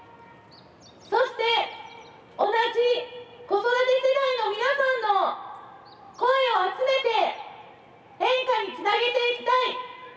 そして同じ子育て世代の皆さんの声を集めて変化につなげていきたい。